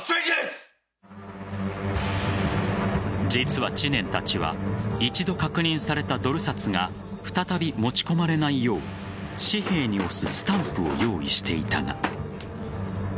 実は、知念たちは一度確認されたドル札が再び持ち込まれないよう紙幣に押すスタンプを用意していた。